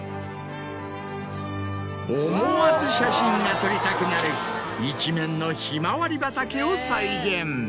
思わず写真が撮りたくなる一面のひまわり畑を再現。